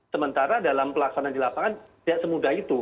sementara dalam pelaksanaan di lapangan tidak semudah itu